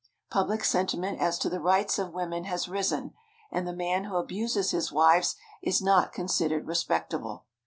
Public sentiment as to the rights of wo men has risen, and the man who abuses his wives is not considered respectable.